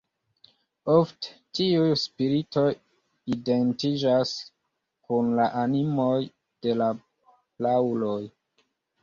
Ofte, tiuj spiritoj identiĝas kun la animoj de la prauloj.